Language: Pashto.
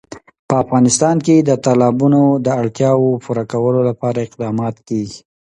په افغانستان کې د تالابونه د اړتیاوو پوره کولو لپاره اقدامات کېږي.